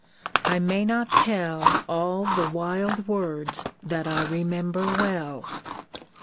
I may not tell All the wild words that I remember well.